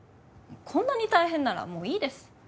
こんなに大変ならもういいです